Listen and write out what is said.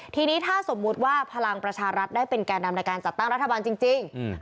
ทีนี้ถ้าสมมุติว่าพลังประชารัฐได้เป็นแก่นำในการจัดตั้งรัฐบาลจริง